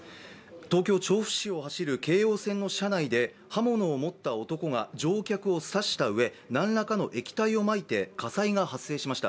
東京・調布市を走る京王線の車内で、刃物を持った男が乗客を刺したうえ何らかの液体をまいて火災が発生しました。